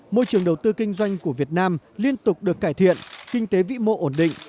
môi trường đầu tư kinh doanh của việt nam liên tục được cải thiện kinh tế vĩ mộ ổn định